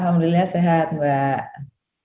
alhamdulillah sehat mbak